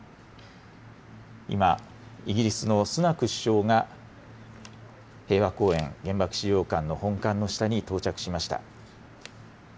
今、イギリスのスナク首相が平和公園、原爆資料館の本館の下に到着しました。